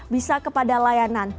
bisa kepada layanan